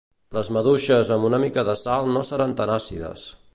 Les maduixes amb una mica de sal no seran tan àcides